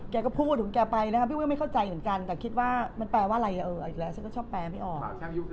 แกก็พูดถึงแกไปนะครับพี่อ้วนไม่เข้าใจเหมือนกันแต่คิดว่ามันแปลว่าอะไรอีกแล้วฉันก็ชอบแปลไม่ออก